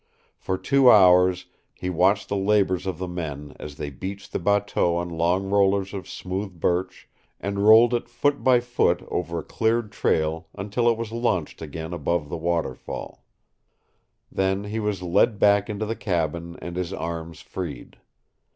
For two hours he watched the labors of the men as they beached the bateau on long rollers of smooth birch and rolled it foot by foot over a cleared trail until it was launched again above the waterfall. Then he was led back into the cabin and his arms freed.